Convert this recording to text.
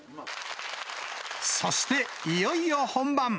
そして、いよいよ本番。